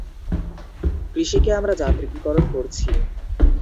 কৃষিকে আমরা যান্ত্রিকীকরণ করছি।